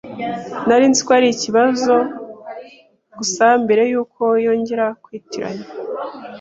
Nari nzi ko ari ikibazo gusa mbere yuko yongera kwitiranya.